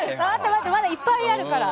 待って、まだいっぱいあるから。